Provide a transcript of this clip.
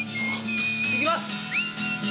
いきます！